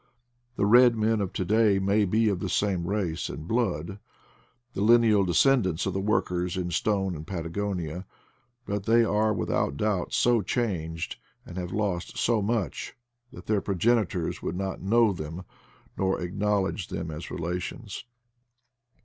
The red men of to day may be of the same race and blood, the lineal descendants of the workers in stone in Patagonia; but they are without doubt so changed, and have lost so much, that their pro genitors would not know them, nor acknowledge them as relations.